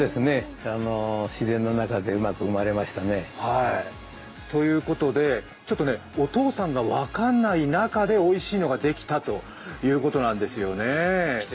自然の中でうまく生まれましたね。ということで、お父さんが分からない中でおいしいのができたということなんですよね。